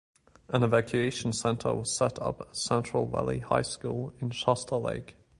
An evacuation center was set up at Central Valley High School in Shasta Lake.